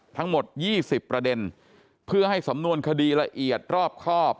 ทั้งหมด๒๐ประเด็นเพื่อให้สำนวนคดีละเอียดรอบครอบ